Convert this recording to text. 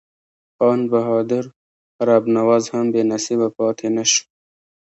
خان بهادر رب نواز هم بې نصیبه پاته نه شو.